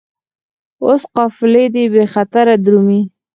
اوس قافلې دي بې خطره درومي